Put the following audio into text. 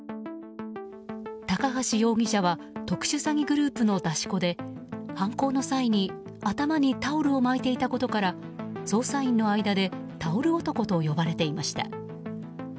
高橋容疑者は特殊詐欺グループの出し子で犯行の際に頭にタオルを巻いていたことから捜査員の間でタオル男と呼ばれていました。